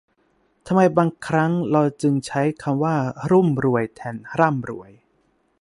ทำไมบางครั้งเราจึงใช้คำว่ารุ่มรวย แทนร่ำรวย